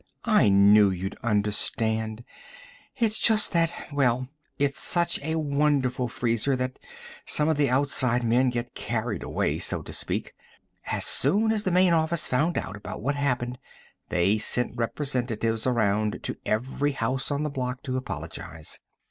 "I knew you'd understand. It's just that well, it's such a wonderful freezer that some of the outside men get carried away, so to speak. As soon as the main office found out about what happened, they sent representatives around to every house on the block to apologize.